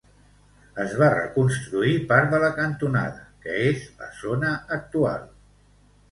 Es va reconstruir part de la cantonada, que és la zona actual.